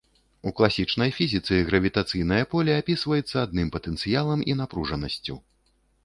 У класічнай фізіцы гравітацыйнае поле апісваецца адным патэнцыялам і напружанасцю.